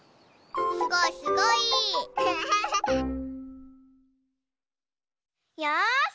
すごいすごい！よし！